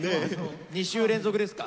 ２週連続ですか。